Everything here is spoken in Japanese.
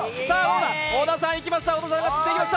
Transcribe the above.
小田さんが釣っていきました。